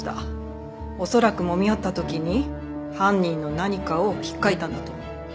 恐らくもみ合った時に犯人の何かを引っかいたんだと思う。